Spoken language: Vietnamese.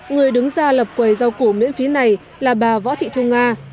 người đứng ra lập quầy rau củ miễn phí này là bà võ thị thu nga